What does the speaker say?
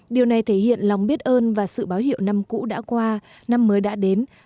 điều này thể hiện lòng biết ơn và sự báo hiệu năm cũ đã qua năm mới đã đến